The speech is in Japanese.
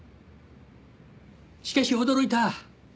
しかし驚いた。